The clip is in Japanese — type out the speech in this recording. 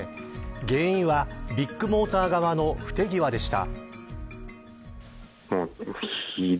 原因は、ビッグモーター側の不手際でした。